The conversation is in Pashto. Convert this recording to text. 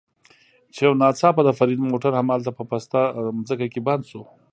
چې یو ناڅاپه د فرید موټر همالته په پسته ځمکه کې بند شو.